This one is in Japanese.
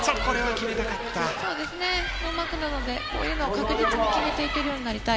ノーマークなのでこういうのを確実に決めていけるようになりたい。